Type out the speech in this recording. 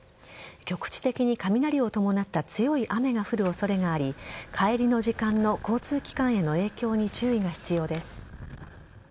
局地的に雷を伴った強い雨が降る恐れがあり帰りの時間の交通機関への影響に注意が必要です。